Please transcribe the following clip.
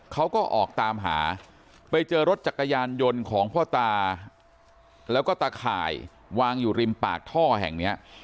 เขาก็ออกตามหาไปเจอรถจักรยานยนต์ของพ่อตาแล้วก็ตะข่ายวางอยู่ริมปากท่อแห่งเนี้ย